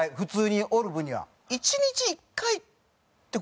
１日１回って事もない。